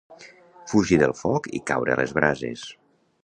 Fugir del foc i caure a les brases.